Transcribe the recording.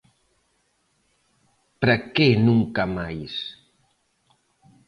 Para que nunca máis!